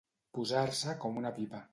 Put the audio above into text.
Posar-se com una pipa.